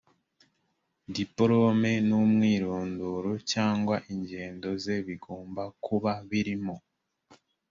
diplome n’ umwirondoro cyangwa ingendo ze bigomba kuba birimo